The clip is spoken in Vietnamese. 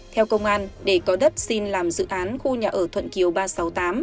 theo công an để có đất xin làm dự án khu nhà ở thuận ba trăm sáu mươi tám